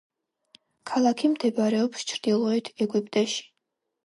ქალაქი მდებარეობს ჩრდილოეთ ეგვიპტეში.